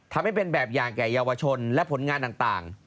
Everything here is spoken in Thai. ทำให้เป็นแบบอย่างแก่เยาวชนและผลงานต่าง